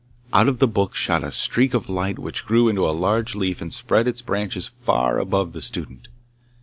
Out of the book shot a streak of light which grew into a large tree and spread its branches far above the student.